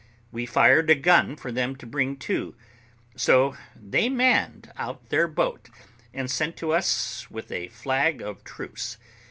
We fired a gun for them to bring to; so they manned out their boat, and sent to us with a flag of truce.